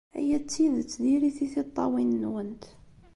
Aya d tidet diri-t i tiṭṭawin-nwent.